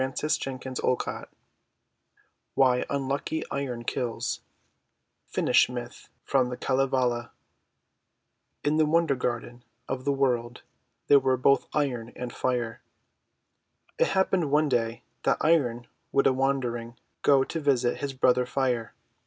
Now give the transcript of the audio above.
290 THE WONDER GARDEN WHY UNLUCKY IRON KILLS Finnish Myth from the Kalevala IN the wonder garden of the World there were both Iron and Fire. It happened one day that Iron would a wander ing go to visit his brother Fire.